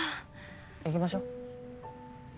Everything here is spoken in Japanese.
行きましょ？